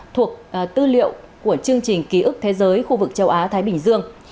thuộc tư liệu của chương trình ký ức thế giới khu vực châu á thái bình dương